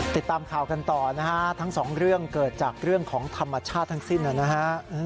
ติดตามข่าวกันต่อนะฮะทั้งสองเรื่องเกิดจากเรื่องของธรรมชาติทั้งสิ้นนะฮะ